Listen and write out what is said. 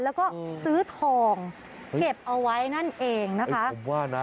แล้วก็ซื้อทองเก็บเอาไว้นั่นเองนะคะผมว่านะ